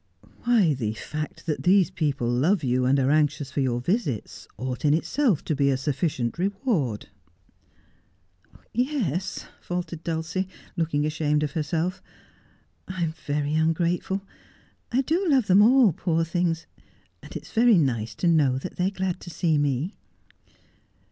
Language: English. Why, the fact that these people love you and are anxious for your visits, ought in itself to be a sufficient reward.' ' Yes,' faltered Dulcie, looking ashamed of herself, ' I am very ungrateful. I do love them all, poor things, and it is very nice to know they are glad to see me.'